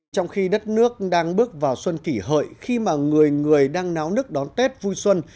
trong khi đất nước đang bước vào xuân kỷ hợi khi mà người người đang náo nức đón tết vui xuân